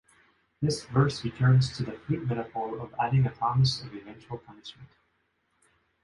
This verse returns to the fruit metaphor of adding a promise of eventual punishment.